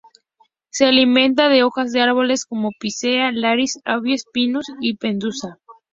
Se alimenta de hojas de árboles como "Picea", "Larix", "Abies", "Pinus" y "Pseudotsuga".